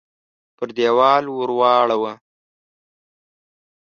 پر دېوال ورواړوه !